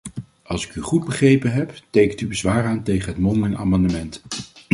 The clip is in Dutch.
Als ik u goed begrepen heb, tekent u bezwaar aan tegen het mondelinge amendement.